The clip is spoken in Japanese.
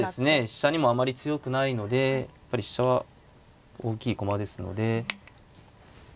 飛車にもあまり強くないのでやっぱり飛車は大きい駒ですので。